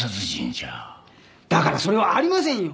だからそれはありませんよ！